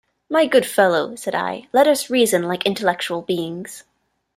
'My good fellow,' said I, 'let us reason like intellectual beings.'